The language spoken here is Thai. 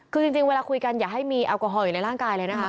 คือจริงเวลาคุยกันอย่าให้มีแอลกอฮอลอยู่ในร่างกายเลยนะคะ